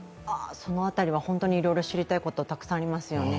その辺りはいろいろ知りたいことがありますよね。